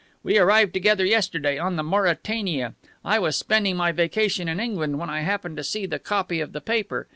We arrived together yesterday on the Mauretania. I was spending my vacation in England when I happened to see the copy of the paper.